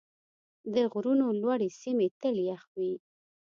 د غرونو لوړې سیمې تل یخ وي.